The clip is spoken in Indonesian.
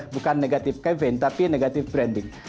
bukan negatif campaign tapi negatif branding